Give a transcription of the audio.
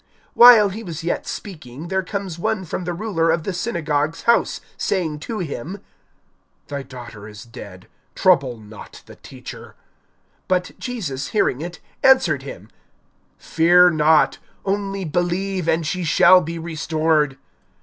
(49)While he was yet speaking, there comes one from the ruler of the synagogue's house, saying to him: Thy daughter is dead; trouble not the Teacher. (50)But Jesus hearing it, answered him: Fear not; only believe, and she shall be restored.